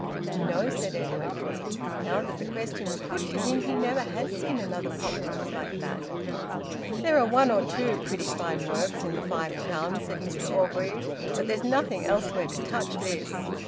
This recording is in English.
"No," said Edwin. Now that the question was put to him, he never had seen another pot works like that. "There are one or two pretty fine works in the Five Towns," said Mr Orgreave. "But there's nothing elsewhere to touch this.